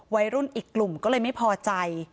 วัยรุ่นอีกกลุ่มก็เลยไม่พอใจ